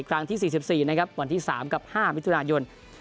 ครั้งที่สี่สิบสี่นะครับวันที่สามกับห้ามิถุนายน